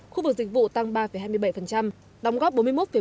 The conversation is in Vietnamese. khu vực dịch vụ tăng ba hai mươi bảy đóng góp bốn mươi một bốn